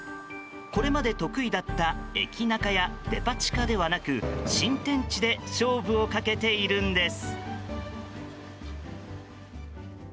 これまで得意だった駅ナカやデパ地下ではなく新天地で勝負をかけているんです。